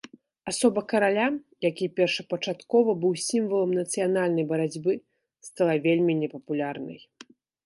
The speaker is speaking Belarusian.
Асоба караля, які першапачаткова быў сімвалам нацыянальнай барацьбы, стала вельмі непапулярнай.